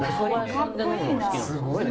すごいね！